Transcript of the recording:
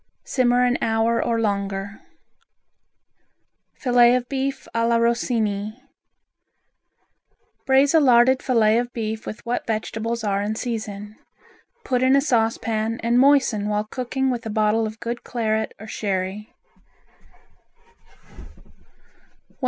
Simmer an hour or longer. Filet of Beef a la Rossini Braise a larded filet of beef with what vegetables are in season. Put in a saucepan and moisten while cooking with a bottle of good claret or sherry.